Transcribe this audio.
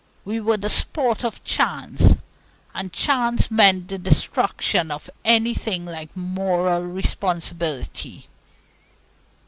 We were the sport of chance, and chance meant the destruction of anything like moral responsibility.